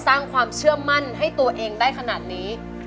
สร้างความเชื่อมั่นให้ตัวเองได้ขนาดนี้